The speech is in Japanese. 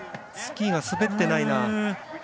スキーが滑っていないな。